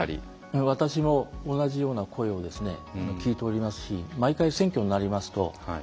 私も、同じような声を聞いておりますし毎回、選挙になりますと例えば、うちの母親は